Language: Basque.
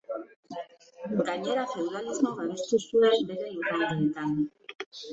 Gainera feudalismo babestu zuen bere lurraldeetan.